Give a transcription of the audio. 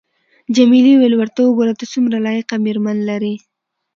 جميلې وويل:: ورته وګوره، ته څومره لایقه مېرمن لرې.